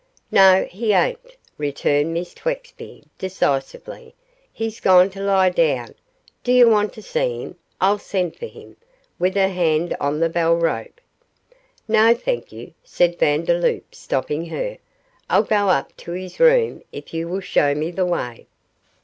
'No, he ain't,' returned Miss Twexby, decisively; 'he's gone to lie down; d'ye want to see him; I'll send for him ' with her hand on the bell rope. 'No, thank you,' said Vandeloup, stopping her, 'I'll go up to his room if you will show me the way.